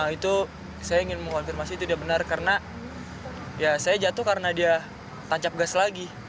itu saya ingin mengonfirmasi tidak benar karena ya saya jatuh karena dia tancap gas lagi